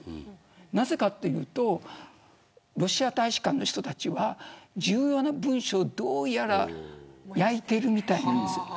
なぜかというとロシア大使館の人たちは重要な文書をどうやら焼いているようです。